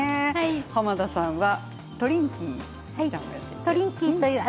濱田さんはトリンキーという。